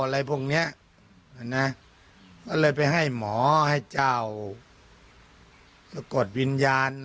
อะไรพวกเนี้ยนะก็เลยไปให้หมอให้เจ้าสะกดวิญญาณ